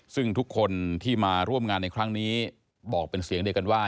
ซึ่งทุกคนที่มาร่วมงานในครั้งนี้บอกเป็นเสียงเดียวกันว่า